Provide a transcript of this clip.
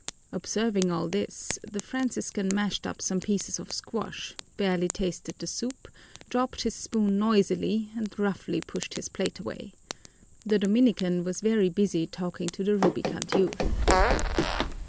Observing all this, the Franciscan mashed up some pieces of squash, barely tasted the soup, dropped his spoon noisily, and roughly pushed his plate away. The Dominican was very busy talking to the rubicund youth.